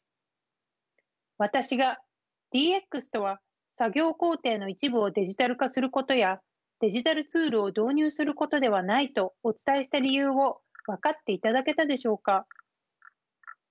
私がＤＸとは作業工程の一部をデジタル化することやデジタルツールを導入することではないとお伝えした理由を分かっていただけたでしょうか。